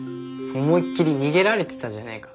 思いっきり逃げられてたじゃねえか。